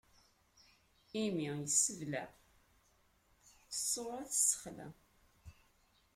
Imi yessebleɛ, ṣṣuṛa tessexlaɛ.